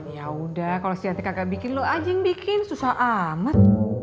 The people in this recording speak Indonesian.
yaudah kalau si yanti kagak bikin lo anjing bikin susah amat